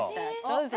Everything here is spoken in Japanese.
どうぞ。